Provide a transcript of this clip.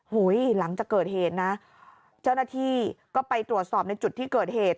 หลังจากเกิดเหตุนะเจ้าหน้าที่ก็ไปตรวจสอบในจุดที่เกิดเหตุ